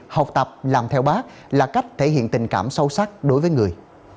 học tập làm theo bác là cách thể hiện tình cảm sâu sắc đối với người